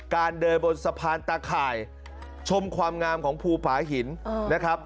เดินบนสะพานตาข่ายชมความงามของภูผาหินนะครับ